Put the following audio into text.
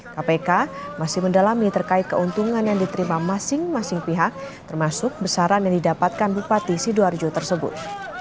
kpk masih mendalami terkait keuntungan yang diterima masing masing pihak termasuk besaran yang didapatkan bupati sidoarjo tersebut